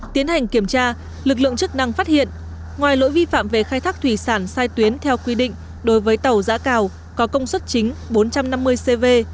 tiến hành kiểm tra lực lượng chức năng phát hiện ngoài lỗi vi phạm về khai thác thủy sản sai tuyến theo quy định đối với tàu giã cào có công suất chính bốn trăm năm mươi cv